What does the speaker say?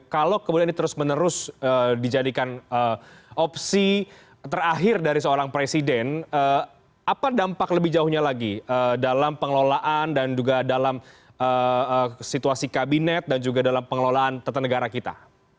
kalau kemudian ini terus menerus dijadikan opsi terakhir dari seorang presiden apa dampak lebih jauhnya lagi dalam pengelolaan dan juga dalam situasi kabinet dan juga dalam pengelolaan tata negara kita